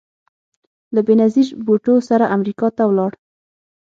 له بېنظیر بوټو سره امریکا ته ولاړ